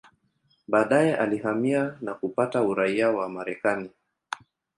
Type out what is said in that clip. Baadaye alihamia na kupata uraia wa Marekani.